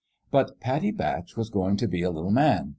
But Pattie Batch was going to be a HT man.